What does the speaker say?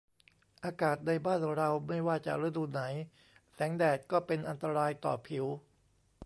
อากาศในบ้านเราไม่ว่าจะฤดูไหนแสงแดดก็เป็นอันตรายต่อผิว